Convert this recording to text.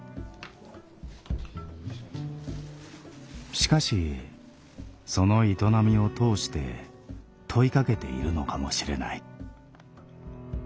しかしその営みを通して問いかけているのかもしれない。